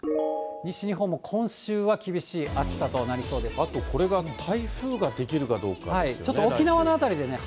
西日本も今週は厳しい暑さとなりあとこれが、台風が出来るかどうかですよね。